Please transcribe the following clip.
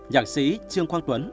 nhạc sĩ trương quang tuấn